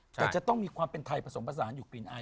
แต่จะต้องมีความเป็นไทยผสมภาษาฮันยุคปีนไอ